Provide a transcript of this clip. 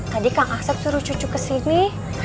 tadi kang asep suruh cucu kesini